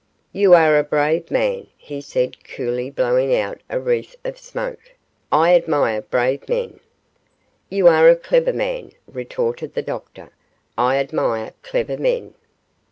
'You are a brave man,' he said, coolly blowing a wreath of smoke, 'I admire brave men.' 'You are a clever man,' retorted the doctor; 'I admire clever men.